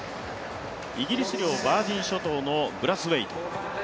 イギリス領バージン諸島のブラスウェイト。